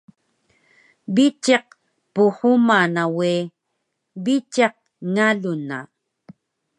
Biciq pnhuma na we, biciq ngalun na